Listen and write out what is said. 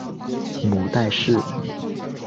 母戴氏。